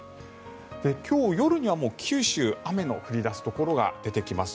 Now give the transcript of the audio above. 今日夜には九州雨の降り出すところが出てきます。